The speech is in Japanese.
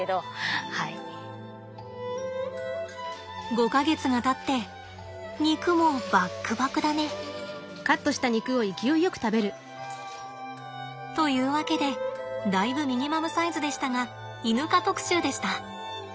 ５か月がたって肉もばっくばくだね。というわけでだいぶミニマムサイズでしたがイヌ科特集でした。